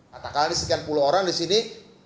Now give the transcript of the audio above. katakanlah ini sekian puluh orang di sini